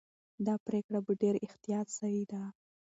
دا پرېکړه په ډېر احتیاط سوې ده.